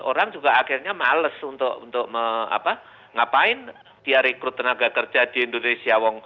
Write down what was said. orang juga akhirnya males untuk ngapain dia rekrut tenaga kerja di indonesia